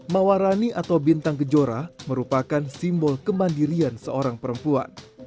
mawarani atau bintang gejora merupakan simbol kemandirian seorang perempuan